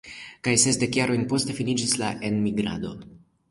Kaj sesdek jarojn poste finiĝis la enmigrado.